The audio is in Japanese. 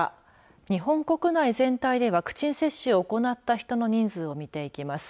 日本国内全体でワクチン接種を行った人の人数を見ていきます。